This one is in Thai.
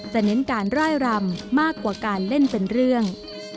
เน้นการร่ายรำมากกว่าการเล่นเป็นเรื่อง